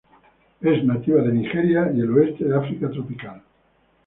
Es nativa de Nigeria y el oeste de África tropical.